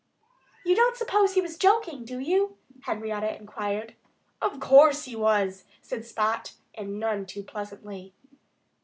"You don't suppose he was joking, do you?" Henrietta inquired. "Of course he was," said Spot and none too pleasantly.